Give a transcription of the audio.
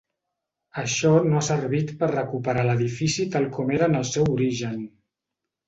Això no ha servit per recuperar l'edifici tal com era en el seu origen.